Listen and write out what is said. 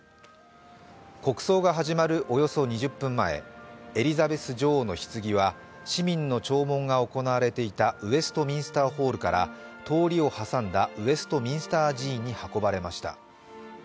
国葬が始まるおよそ２０分前、エリザベス女王のひつぎは市民の弔問が行われていたウェストミンスターホールから通りを挟んだウェストミンスター寺院に運ばれました。